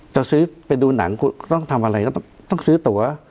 จะซื้อไปดูหนังคุณต้องทำอะไรก็ต้องซื้อตัว